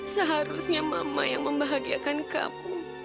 seharusnya mama yang membahagiakan kamu